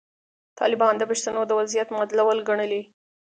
طالبان د پښتنو د وضعیت مدلول ګڼلي.